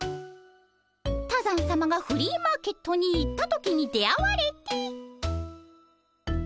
多山さまがフリーマーケットに行った時に出会われて。